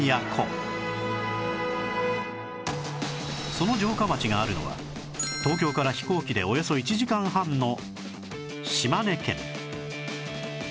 その城下町があるのは東京から飛行機でおよそ１時間半の島根県